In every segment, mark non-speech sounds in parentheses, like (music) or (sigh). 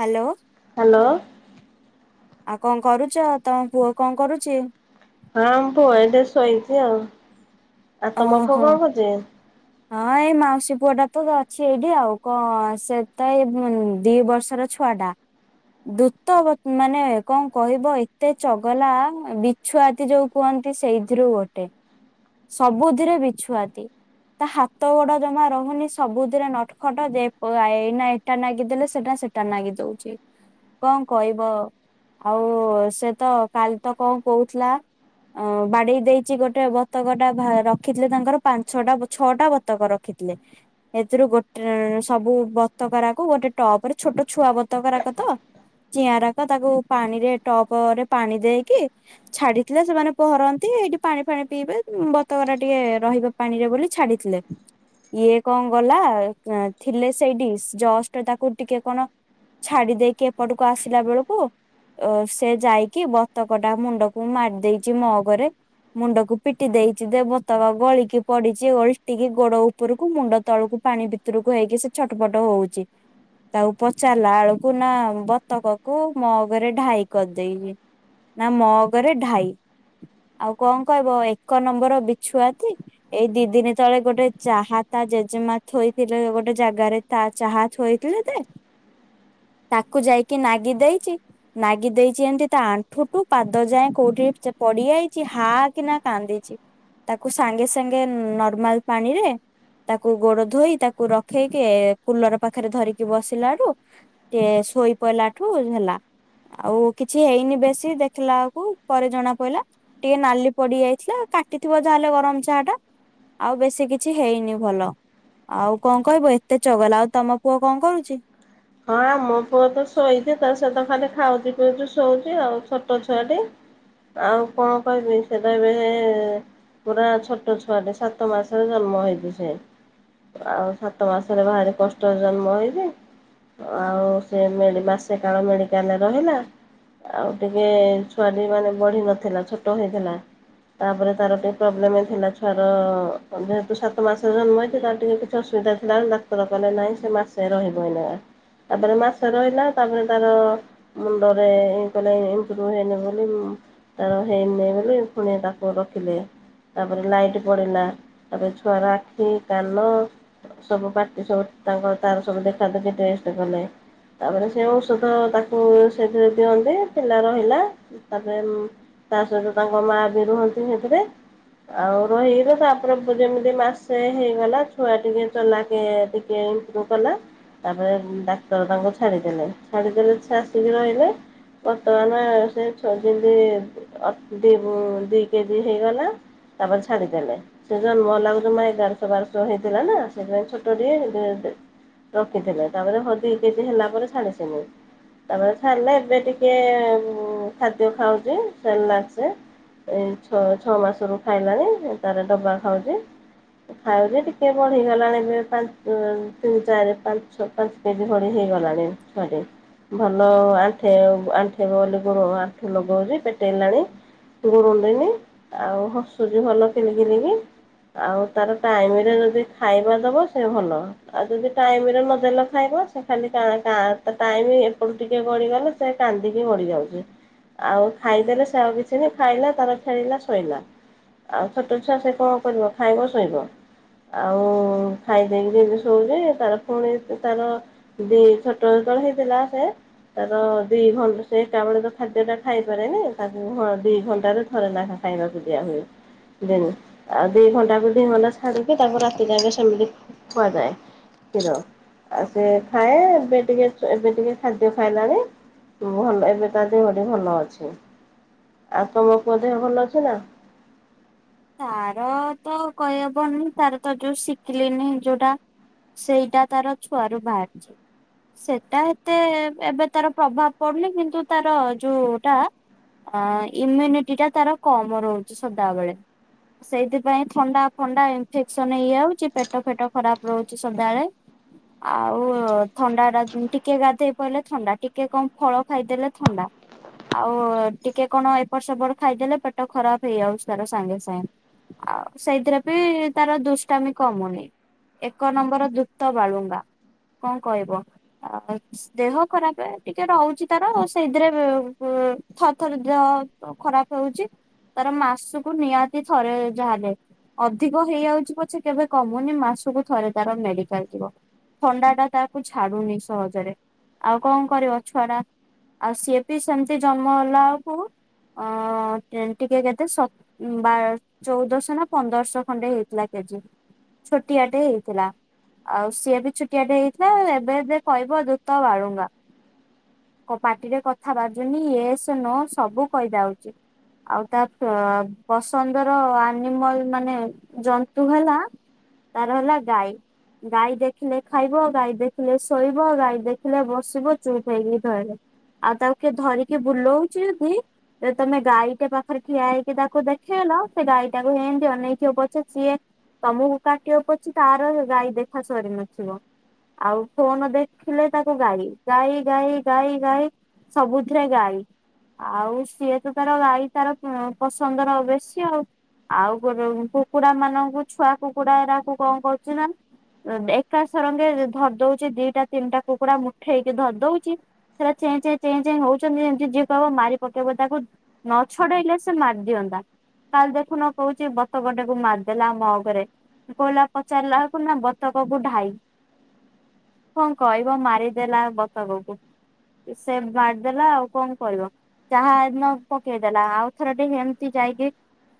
Hello. Hello. ଆଉ କଣ କରୁଚ ତମ ପୁଅ କଣ କରୁଚି। ହଁ ପୁଅ ଏଟି ଶୋଇଚି ଆଉ। ଆଉ ତମ ପୁଅ ଓହୋ କଣ କରୁଛି? ହଁ ଏଇ ମାଉସୀ ପୁଅ ଟା ତ ଅଛି ଏଇଠି ଆଉ କଣ ସେ ତ ଏଇ ଦି ବର୍ଷର ଛ ଛୁଆ ଟା ଦୂତ ମାନେ କଣ କହିବ ଏତେ ଚଗଲା ବିଛୁଆତି ଯୋଉ କୁହନ୍ତି ସେଇଥିରୁ ଗୋଟେ ସବୁଥିରେ ବିଛୁଆତି ତା ହାତ ଗୋଡ ଜମା ରହୁନି ସବୁଥିରେ ନଟଖଟ ଯେ ଏଇ ଏଇଟା ନାଗିଦେଲେ ସେଟା ସେ ଟା ନାଗି ଦଉଛି କଣ କହିବ ଆଉ ସେ ତ କାଲି ତ କଣ କହୁଥିଲା ଅ ବାଡେଇ ଦେଇଛି ଗୋଟେ ବ ବତକ ଟା ରଖିଥିଲେ ତାଙ୍କର ପାଞ୍ଚଟା ଛଅ ଛଅଟା ବତକ ରଖିଥିଲେ ଏଥିରୁ ଗୋଟେ ସବୁ ବତକରାକୁ ଗୋଟେ ଟପ ରେ ଛୋଟ ଛୁଆ ବତକରାକ ତ ଚିଆଁରାକ ତାକୁ ପାଣିରେ ଟପରେ ପାଣି ଦେଇକି ଛାଡିଥିଲେ ସେମାନେ ପହଁରନ୍ତି ଏଇଠି ପାଣି ଫାଣି ପିଇବେ ବତକରା ଟିକେ ରହିବା ପାଣିରେ ବୋଲି ଛାଡିଥିଲେ ଇଏ କଣ ଗଲା ଥିଲେ ସେଇଠି ଜଷ୍ଟ ତାକୁ ଟିକେ କଣ ଛାଡି ଦେଇକି ଏପଟକୁ ଆସିଲା ବେଳକୁ ଅ ସେ ଯାଇକି ବତକ ଟା ମୁଣ୍ଡକୁ ମାରି ଦେଇଛି ମଗରେ ମୁଣ୍ଡକୁ ପିଟି ଦେଇଛି ଦେ ବତକ ଗଳିକି ପଡିଛି ଓଲିଟିକି ଗୋଡ ଉପରକୁ ମୁଣ୍ଡ ତଳକୁ ପାଣି ଭିତରକୁ ହେଇକି ସେ ଛଟପଟ ହଉଛି ତାକୁ ପଚାରିଲା ବେଳକୁ ନା ବତକକୁ ମଗରେ ଢାଇ କରିଦେଇଛିି ନା ମଗରେ ଢାଇ ଆଉ କଣ କହିବ ଏକ ନମ୍ବର ବିଛୁଆତି ଏଇ ଦି ଦିନ ତଳେ ଗୋଟେ ଚାହା ତା ଜେଜେମା ଥୋଇଥିଲେ ଗୋଟେ ଜାଗାରେ। ତା ଚାହା ଥୋଇଥିଲେ ଯେ ତାକୁ ଯାଇକି ନାଗି ଦେଇଛି। ନାଗି ଦେଇଛି ଏମିତି ତା ଆଣ୍ଠୁଠୁ ପାଦ ଯାଏ କୋଉଠି ପଡିଯାଇଛି ହା କିନା। କାନ୍ଦିଛି ତାକୁ ସାଙ୍ଗେ ସାଙ୍ଗେ ନର୍ମାଲ ପାଣିରେ ତାକୁ ଗୋଡ ଧୋଇ ତାକୁ ରଖେଇକି କୁଲର ପାଖରେ ଧରିକି ବସିଲା ଠୁ ଏ ଶୋଇପଇଲାଠୁ ହେଲା। ଆଉ କିଛି ହେଇନି ବେଶୀ ଦେଖିଲା ବେଳୁକୁ ପରେ ଜଣା ପଇଲା ଟିକେ ନାଲି ପଡିଯାଇ ଥିଲା କାଟିଥିବ ଯାହେଲେ ଗରମ ଚାହା ଟା ଆଉ ବେଶୀ କିଛି ହେଇନି ଭଲ। ଆଉ କଣ କହିବ ଏତେ ଚଗଲା, ଆଉ ତମ ପୁଅ କଣ କରୁଚି ହଁ ଆମ ପୁଅ ତ ଶୋଇଚି ତା ସହିତ ଖାଲି ଖାଉଚି ପିଉଚି ଶୋଉଚି ଆଉ ଛୋଟ ଛୁଆଟି। ଆଉ କଣ କହିବି ସିଏତ ଏବେ ପୁରା ଛୋଟ ଛୁଆଟା ସାତ ମାସରେ ଜନ୍ମ ହେଇଛି ସିଏ। ଆଉ ସାତ ମାସରେ ଭାରି କଷ୍ଟରେ ଜନ୍ମ ହେଇଛିି। ଆଉ ସେ ମେଡ଼୍ ମାସେ କାଳ ମେଡିକାଲରେ ରହିଲା। ଆଉ ଟିକେ ଛୁଆଟି ମାନେ ବଢି ନଥିଲା ଛୋଟ ହେଇଥିଲା। ତାପରେ ତାର ଟିକେ ପ୍ରୋବ୍ଲେମ ଥିଲା ଛୁଆର ଯେହେତୁ ସାତ ମାସରେ ଜନ୍ମ ହେଇଥୂଲା ଟିକେ ଅସୁବିଧା ଥିଲା ବୋଲି ଡାକ୍ତର କହିଲେ ନାଇଁ ସେ ମାସେ ରହିବ ଏଇନା। ତାପରେ ମାସେ ରହିଲା ତାପରେ ତାର ମୁଣ୍ଡରେ ଇଁ କହିଲେ ଇଂପୃଭୁ ହେଇନି ବୋଲି ତାର ହେଇନି ବୋଲି ପୁଣି ତାକୁ ରଖିଲେ। ତାପରେ ଲାଇଟ ପଡିଲା ତାପରେ ଛୁଆ ର ଆଖି, କାନ ସବୁ ପାର୍ଟି ସବୁ ତାଙ୍କର ତାର ସବୁ ଦେଖା ଦେଖି ଟେଷ୍ଟେ କଲେ। ତାପରେ ସେ ଔଷଧ ତାକୁ ସେଥିରେ ଦିଅନ୍ତି ପିଲା ରହିଲା ତାପର ଉଁ ତା ସହିତ ତାଙ୍କ ମା ବି ରୁହନ୍ତି ସେଥିରେ। ଆଉ ରହିକିନି ତା ଉପରେ ପରେ ଯେମିତି ମାସେ ହେଇଗଲା ଛୁଆ ଟିକେ ଚଲାକେ ଟିକେ କଲା ତାପରେ ଡାକ୍ତର ତାଙ୍କୁ ଛାଡିଦେଲେ ଛାଡିଦେଲେ ସେ ଆସିକି ରହିଲେ ବର୍ତ୍ତମାନ ସେ ଛ ଦିନି ଦି କେଜି ହେଇଗଲା। ତାପରେ ଛାଡ଼ିଦେଲେ। ସେ ଜନ୍ମ ହେଲା କୁ ଜମା ଏଗାରଶହ ବାରଶହ ହେଇଥିଲା ନା ସେଥିପାଇଁ ଛୋଟୋଟିଏ ସେ ରଖିଥିଲେ ତାପରେ ହ ଦି କେଜି ହେଲା ପରେ ଛାଡିସିନ୍ତି। ତାପରେ ଛାଡିଲେ ଏବେ ଟିକେ ଖାଦ୍ୟ ଖାଉଚି ସେରେଲାକ୍ସ। ଏ ଛ ଛଅ ମାସରୁ ଖାଇଲାଣି ତାର ଡବା ଖାଉଚି। ଖାଉଚି ଟିକେ ବଢିଗଲାଣି ଏବେ ପାଞ୍ଚ୍ ତିନି, ଚାରି, ପାଞ୍ଚ ଛଅ ପାଞ୍ଚ କେଜି ଭଳି ହେଇଗଲାଣି ଛୁଆଟି। ଭଲ ଆଣ୍ଠେଇଵ ଆଣ୍ଠେଇବ ବୋଲି ଗୋଡ ଆଣ୍ଠୁ ଲଗଉଚି ପେଟେଇଲାଣି। ଗୁରୁଣ୍ଡିନି ଆଉ ହସୁଛି ଭଲ ଖିଲିଖିଲିକି। ଆଉ ତାର ଟାଇମିରେ ଯଦି ଖାଇବା ଦବ ସେ ଭଲ ଆଉ ଯଦି ଟାଇମିରେ ନଦ ଦେଲେ ଖାଇବ ସେ ଖାଲି ଟା ଟା ଟାଇମ ଏପଟୁ ଟିକେ ଗଡି ଗଲେ ସେ କାନ୍ଦିକି ଗଡି ଯାଉଚି। ଆଉ ଖାଇଦେଲେ ସେ ଆଉ କିଛି ନାହିଁ ଖାଇଲା ତାର ଖେଳିଲା ଶୋଇଲା। ଆଉ ଛୋଟ ଛୁଆ ସେ କଣ କରିବ ଖାଇବ ଶୋଇବ। ଆଉ ଖାଇ ଦେଇକିରି ଶୋଉଚି ତାର ଫୁଣି ସେ ତାର ଦି ଛୋଟ ଯେତେବେଳେ ହେଇଥିଲା ସେ ତାର ଦି ଘଣ୍ଟା ସେ ଏକା ବେଳେ ତ ଖାଦ୍ୟ ଟା ଖାଇପାରେନି ତାକୁ ହଁ ଦି ଘଣ୍ଟାରେ ଥରେ ନାଖା ଖାଇବାକୁ ଦିଆ ହୁଏ। ଦିନ୍ ଆଉ ଦି ଘଣ୍ଟାକୁ ଦି ଘଣ୍ଟା ଛାଡ଼ିକି ତାକୁ ରାତି ଯାକେ ସେମିତି ଖୁଆଯାଏ। କ୍ଷୀର। ଆଉ ସେ ଖାଏ ଏବେ ଟିକେ ଏବେ ଟିକେ ଖାଦ୍ୟ ଖାଇଲାଣି। ଭଲ ଏବେ ତା ଦେହଟି ଭଲ ଅଛି, ଆଉ ତମ ପୁଅ ଦେହ ଭଲ ଅଛି ନା? ତାର ତ କହିହବନି ତାର ତ ଯୋଉ ଶିକିଲିନି ଯୋଉଟା ସେଇଟା ତାର ଛୁଆରୁ ବାହାରିଚି। ସେଟା ଏତେ ଏବେ ତାର ପ୍ରଭାବ ପଡୁନି କିନ୍ତୁ ତାର ଯୋଉ ଟା ଅ ଇମ୍ୟୁନିଟି ଟା ତାର କମ ରହୁଛି ସଦାବେଳେ। ସେଇଥିପାଇଁ ଥଣ୍ଡା ଫଣ୍ଡା ଇନଫେକ୍ସନ ହେଇଯାଉଛି ପେଟ ଫେଟ ଖରାପ ରହୁଛି ସଦାବେଳେ। ଆଉ ଥଣ୍ଡାଟା ଟିକେ ଗାଧେଇ ପଇଲେ ଥଣ୍ଡା ଟିକେ କମ ଫଳ ଖାଇଦେଲେ ଥଣ୍ଡା। ଆଉ ଟିକେ କଣ ଏପଟ ସେପଟ ଖାଇଦେଲେ ପେଟ ଖରାପ ହେଇଯାଉଛି ତାର ସାଙ୍ଗେ ସା ହୁଁ ଆଉ ସେଇଥିରେ ବି ତାର ଦୁଷ୍ଟାମି କମୁନି। ଏକ ନମ୍ବର ଯୁତ ବାଳୁଙ୍ଗା କଣ କହିବ ଦେହ ଖରାପେ ଟିକେ ରହୁଛି ତାର ସେଇଥିରେ ଥଥର ଦେହ ଖରାପେ ହଉଛି ତାର ମାସକୁ ନିହାତି ଥରେ ଯାହା ହେଲେ ଅଧିକ ହେଇଯାଉଛି ପଛେ କେବେ କମୁନି ମାସକୁ ଥରେ ତାର ମେଡିକାଲ ଜିବ। ଥଣ୍ଡାଟା ତାକୁ ଛାଡୁନି ସହଜରେ ଆଉ କଣ କରିବ ଛୁଆ ଟା ଆଉ ସିଏ ବି ସେମତି ଜନ୍ମ ହେଲା ଆଳକୁ ଅଁ ଟ ଟିକେ କେତେ ଶ ବାର ଚଉଦଶହ ନା ପନ୍ଦରଶହ ଖଣ୍ଡେ ହେଇଥିଲା କେଜି ଛୋଟିଆଟେ ହେଇଥିଲା। ଆଉ ସିଏ ବି ଛୁଟିଆଟେ ହେଇଥିଲା ଏବେ ଏବେ କହିବ ଦୂତ ବାଡୁଙ୍ଗା। ଓ ପାଟିରେ କଥା ବାଜୁନି ୟେସ ନୋ ସବୁ କହିଜାଉଛି। ଆଉ ତା ଫ୍ ପସନ୍ଦର ଆନିମଲ ମାନେ ଜନ୍ତୁ ହେଲା ତାର ହେଲା ଗାଈ। ଗାଈ ଦେଖିଲେ ଖାଇବ ଗାଈ ଦେଖିଲେ ଶୋଇବ ଗାଈ ଦେଖିଲେ ବସିବ ଚୁପ୍ ହେଇକି ଧଇଲେ। ଆଉ ତାକୁ କିଏ ଧରିକି ବୁଲଉଛି ଦି ତମେ ଗାଈଟେ ପାଖରେ ଠିଆ ହେଇକି ତାକୁ ଦେଖ ଖିଲା ସେ ଗାଈଟାକୁ ହେନ୍ତୀ ଅନେଇଥିବ ପଛେ ସିଏ ତମକୁ କାଟିବା ପଛେ ତାର ଗାଈ ଦେଖା ସରିନଥିବ। ଆଉ ଫୋନ ଦେଖିଲେ ତାକୁ ଗାଳି ଗାଈ ଗାଈ ଗାଈ ଗାଈ ସବୁଥିରେ ଗାଈ ଆଉ ସିଏ ତ ତାର ଗାଈ ତାର ପ ପସନ୍ଦର ଏବେ ସି ଆଉ। ଆଉ ଗୋ କୁକୁଡା ମାନଙ୍କୁ ଛୁଆ କୁକୁଡାରାକୁ କଣ କରୁଛି ନା ଏକା ସରଙ୍ଗେ ଧରି ଦଉଛି ଦିଟା ତିନିଟା କୁକୁଡା ମୁଠେଇକି ଧରି ଦଉଛି। ସେରା ଚେଁ ଚେଁ ଚେଁ ଚେଁ ହୋଉଛନ୍ତି ଯେମତିି ଯିଏ କହିବ ମାରି ପକେଇବ ତାକୁ। ନଛଡେଇଲେ ସେ ମାରି ଦିଅନ୍ତା। କାଲି ଦେଖୁନ କହୁଛି ବତକ ଟାକୁ ମାରିଦେଲା ମଗରେ। କହିଲା ପଚାରିଲା ବେଳକୁ ନା ବତକବୁ ଢାଇ। କଣ କହିବ ମାରିଦେଲା ବତକକୁ। ସେ ମାରିଦେଲା ଆଉ କଣ କହିବ। ଚାହା ହେଦିନ ପକେଇଦେଲା ଆଉ ଥରଟେ ହେମତି ଯାଇକି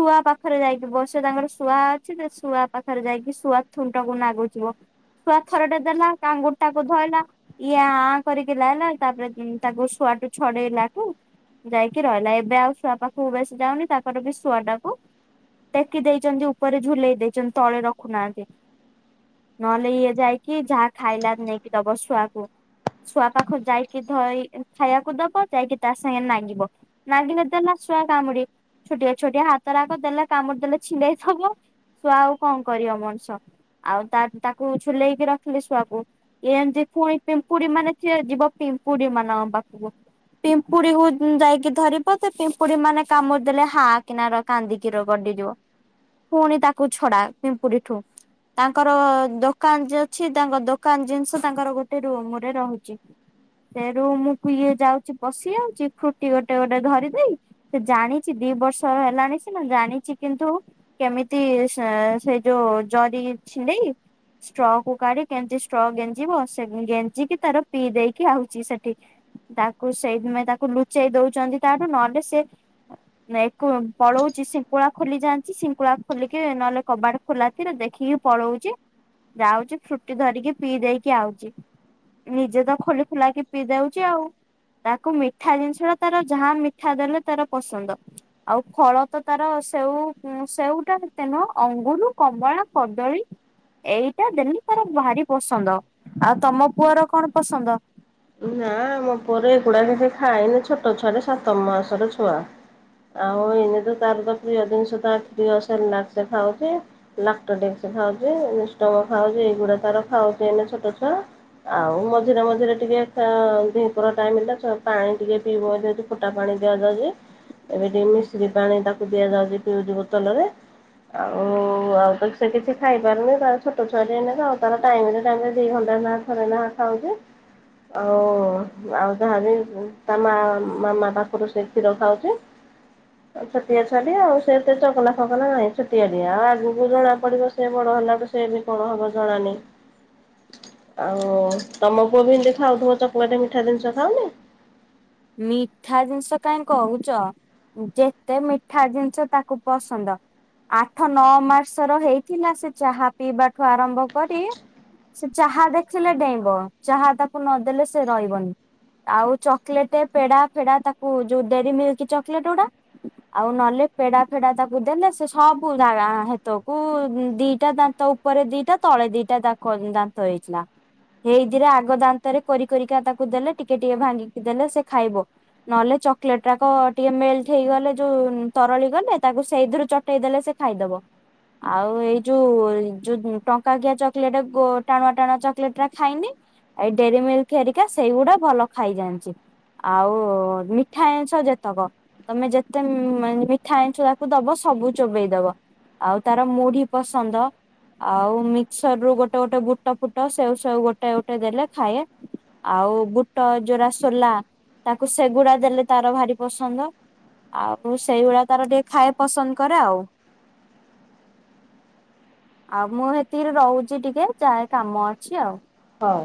ଶୁଆ ପାଖରେ ଯାଇକି ବ ସେ ତାଙ୍କର ଶୁଆ ଅଛି ନା ଶୁଆ ପାଖରେ ଯାଇକି ଶୁଆ ଥୁଣ୍ଟକୁୁ ନାଗୁଥିବ। ଶୁଆ ଥରଟେ ଦେଲା ତା ଆଙ୍ଗୁଠିଟାକୁ ଧଇଲା। ଇଏ ଆ କରିକି ଲାଇଲା ତାପରେ ତାକୁ ଶୁଆଠୁ ଛଡେଇଲାଠୁ ଯାଇକି ରହିଲା। ଏବେ ଆଉ ଶୁଆ ପାଖକୁ ବେଶି ଯାଉନି ତାକୁ ର ବି ଶୁଆ ଟାକୁ ଟେକି ଦେଇଛନ୍ତି ଉପରେ ଝୁଲେଇ ଦେଇଛନ୍ତି ତଳେ ରଖୁନାହାନ୍ତି। ନହେଲେ ଇଏ ଯାଇକି ଯାହା ଖାଇଲା ନେଇକି ଦବ ଶୁଆକୁ। ଛୁଆ ପାଖ ଯାଇକି ଧରି ଖାଇବାକୁ ଦବ ଯାଇକି ତା ସାଙ୍ଗେ ନାଗିବ। ନାଗିଲେ ଦେଲା ଶୁଆ କାମୁଡି ଛୋଟିଆ ଛୋଟିଆ ହାତ ରାକ ଦେଲେ କାମୁଡି ଦେଲେ ଛିଣ୍ଡେଇଦବ। ଶୁଆ ଆଉ କଣ କରିବ ମଣିଷ ଆଉ ତା ତାକୁ ଝୁଲେଇକି ରଖିଲେ ଶୁଆକୁ। ଏମତି ପୁଣି ପିମ୍ପୁଡି ମାନେ ସିଏ ଯିବ ପିମ୍ପୁଡି ମାନଙ୍କ ପାଖକୁ। ପିମ୍ପୁଡିକୁ ଯାଇକି ଧରିବ ତେ ପିମ୍ପୁଡି ମାନେ କାମୁଡି ଦେଲେ ହା ହା କିନା ର କାନ୍ଦିକିର ଗଡିଯିବ ପୁଣି ତାକୁ ଛଡା ପିମ୍ପୁଡିଠୁ। ତାଙ୍କର ଦୋକାନ ଯେ ଅଛି ତାଙ୍କ ଦୋକାନ ଜିନିଷ ତାଙ୍କର ଗୋଟେ ରୁମରେ ରହୁଛି। ସେ ରୁମ କୁ ଇଏ ଯାଉଛି ପଶି ଯାଉଛି ଫ୍ରୁଟି ଗୋଟେ ଗୋଟେ ଧରି ଦେଇ ସେ ଜାଣିଛି ଦି ବର୍ଷର ହେଲାଣି ସିନା ଜାଣିଛି କିନ୍ତୁ କେମିତି ସ ସେଇ ଯୋଉ ଜରି ଛିଣ୍ଡେଇ ଷ୍ଟ୍ର କୁ କାଢି କେମତି ଷ୍ଟ ଗେଞ୍ଜିବ ସେ ଗେଞ୍ଜିକି ତାର ପିଇ ଦେଇକି ଆଉଛି ସେଠି। ତାକୁ ସେଇଥିପାଇଁ ତାକୁ ଲୁଚେଇ ଦଉଛନ୍ତି ତାଠୁ ନହେଲେ ସେ ପଳଉଛି ଶିଙ୍କୁଳା ଖୋଲିଜାଣିଚି ଶିଙ୍କୁଳା ଖୋଲିକି ନହେଲେ କବାଟ ଖୋଲା କିରେ ଦେଖିକି ପଳଉଛି ଯାଉଛି ଫ୍ରୁଟି ଧରିକି ପିଇ ଦେଇକି ଆଉଛି। ନିଜେ ତ ଖୋଲି ଖୁଲାକି ପିଇ ଦେଉଛି ଆଉ। ତାକୁ ମିଠା ଜିନିଷର ତାର ଯାହା ମିଠା ଦେଲେ ତାର ପସନ୍ଦ। ଆଉ ଫଳ ତ ତାର ସେଉ ସେଉଟା ହେତେ ନୁହଁ ଅଙ୍ଗୁରୁ, କମଳା, କଦଳୀ ଏଇଟା ଡେଲି ତାର ଭାରି ପସନ୍ଦ। ଆଉ ତମ ପୁଅର କଣ ପସନ୍ଦ? ନା ମୋ ପୁଅର ଏଗୁଡା କିଛି ଖାଇନି ଛୋଟ ଛୁଆ ଯେ ସାତ ମାସର ଛୁଆ। ଆଉ ଏଇନେ ତ ତାର ତ ପ୍ରିୟ ଜିନିଷ ତାର ପ୍ରିୟ ସେର୍ଲାକ ସେ ଖାଉଚି। ଲାକ୍ଟୋଡେକ୍ସ ଖାଉଚ଼ି (unintelligible) ଖାଉଛି ଏଇଗୁଡା ତାର ଖାଉଛି ଏନେ ଛୋଟ ଛୁଆ। ଆଉ ମଝିରେ ମଝିରେ ଟିକେ ତା ଦିପହର ଟାଇମ ହେଲା ଛୁ ପାଣି ଟିକେ ପିଇବ ଯଦି ଫୁଟା ପାଣି ଦିଆଯାଉଚ଼ି। ଏବେ ଟିକେ ମିଶିରି ପାଣି ତାକୁ ଦିଆଯାଉଛି ପିଉଛି ବୋତଲରେ। ଆଉ ଆଉ ତ ସେ କିଛି ଖାଇପାରୁନି ତାର ଛୋଟ ଛୁଆ ସେ ଏନେକା ଆଉ ତାର ଟାଇମରେ ଟାଇମରେ ଦି ଘଣ୍ଟା ନା ଘରେ ନା ଖାଉଚି? ଆଉ ଆଉ ଯାହା ଯି ତା ମା ମାମା ପାଖରୁ ସେ କ୍ଷୀର ଖାଉଚ଼ି। ଛୋଟିଆ ଛୁଆଟିଏ ଆଉ ସେ ଏତେ ଚଗଲା, ଫଗଲା ନାହିଁ। ଛୁଆଟିଏ ଆଉ ଆଗକୁ ଜଣା ପଡିବ ସେ ବଡ ହେଲାଠୁ। ସେ ବି କଣ ହବ ଜଣାନି। ଆଉ ତମ ପୁଅ ବି ଏମିତି ଖାଉଥିବ ଚକୁୁଆଟେ ମିଠା ଜିନିଷ ଖାଉନି। ମିଠା ଜିନିଷ କାହିଁ କହୁଚ? ଯେତେ ମିଠା ଜିନିଷ ତାକୁ ପସନ୍ଦ। ଆଠ ନଅ ମାସର ହେଇଥିଲା। ସେ ଚାହା ପିଇବା ଠୁ ଆରମ୍ଭ କରି - - ସେ ଚାହା ଦେଖିଲେ ଡେଇଁବ। ଚାହା ତାକୁ ନଦେଲେ ସେ ରହିବନି ଆଉ ଚ ଲେଟ ପେଡ଼ା ଫେଡ଼ା ତାକୁ ଯୋଉ ଡେରି ମିଲ୍କି ଚକେଲେଟ ଗୁଡା ଆଉ ନହେଲେ ପେଡା ଫେଡା ତାକୁ ଦେଲେ ସେ ସବୁ ଜାଗା ହେତକୁ ଦିଟା ତା - - ଉପରେ ଦିଟା ତଳେ ଦିଟା ଦା କ ଦାନ୍ତ ହେଇଥିଲା। ଏଇଥିରେ ଆଗ ଦାନ୍ତରେ କୋରି କୋରିକା ତାକୁ ଦେଲେ ଟିକେ ଟିକେ ଭାଙ୍ଗିକି ଦେଲେ ସେ ଖାଇବ। ନହେଲେ ଚକୋଲେଟ ଟାକ ଟିକେ ମେଲଟ ହେଇଗଲେ ଯୋଉ ତରଳି ଗଲେ ତାକୁ ସେଇଥିରୁ ପଠେଇଦଲେ ସେ ଖାଇଦବ। ଆଉ ଏଇ ଯୋଉ ଯୋଉ ଟଙ୍କା କିିଆ ଚକୋଲେଟ ଟାଣୁଆ ଟାଣୁଆ ଚକଲେଟଟା ଖାଇନି। ଏଇ ଡେରିମିଲ୍କ ହେରିକା ସେଇଗୁଡା ଭଲ ଖାଇଯାଆନ୍ତି। ଆଉ ମିଠା ଜିନିଷ ଯେତକ ତମେ ଯେତେ ମିଠା ଜିନିଷ ତାକୁ ଦବ ସବୁ ଚୋବେଇ ଦବ। ଆଉ ତାର ମୁଢି ପସନ୍ଦ। ଆଉ ମିକ୍ସରରୁ ଗୋଟେ ଗୋଟେ ବୁଟ ଫୁଟ ସେଉ ସେଉ ଗୋଟେ ଗୋଟେ ଦେଲେ ଖାଏ। ଆଉ ବୁଟ ଯୋଉରା ସୋଲା ତାକୁ ସେଗୁଡା ଦେଲେ ତାର ଭାରି ପସନ୍ଦ। ଆଉ ସେଇଗୁଡ଼ା ତାର ଟିକେ ଖାଏ। ପସନ୍ଦ କରେ ଆଉ। ଆଉ ମୁଁ ସେତିକି ରହୁଛି ଟିକେ, ଯାଏ କାମ ଅଛି ଆଉ। ହଉ।